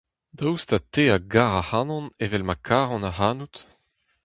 Daoust ha te a gar ac'hanon evel ma karan ac'hanout ?